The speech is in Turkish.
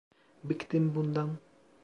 Bıktım bundan.